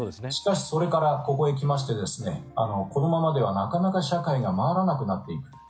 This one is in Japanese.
しかし、それからここへ来てこのままでは、なかなか社会が回らなくなっていく。